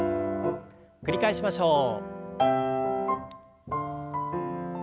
繰り返しましょう。